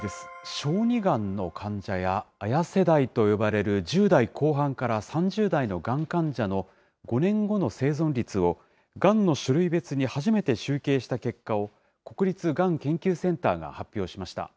小児がんの患者やＡＹＡ世代と呼ばれる１０代後半から３０代のがん患者の５年後の生存率を、がんの種類別に初めて集計した結果を国立がん研究センターが発表しました。